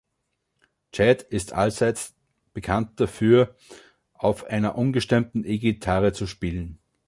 Jad ist allseits bekannt dafür, auf einer ungestimmten E-Gitarre zu spielen.